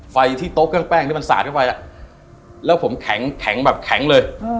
ไฟที่โต๊ะเครื่องแป้งที่มันสาดเข้าไปแล้วผมแข็งแบบแข็งเลย